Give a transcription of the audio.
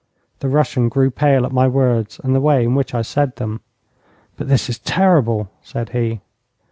The Russian grew pale at my words and the way in which I said them. 'But this is terrible,' said he.